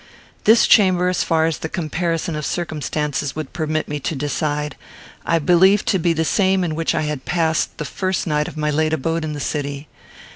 This chamber, as far as the comparison of circumstances would permit me to decide, I believed to be the same in which I had passed the first night of my late abode in the city.